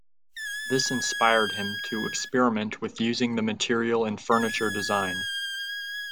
This inspired him to experiment with using the material in furniture design.